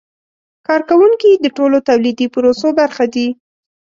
کارکوونکي د ټولو تولیدي پروسو برخه دي.